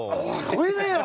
それだよ！